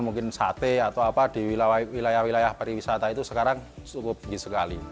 mungkin sate atau apa di wilayah wilayah pariwisata itu sekarang cukup tinggi sekali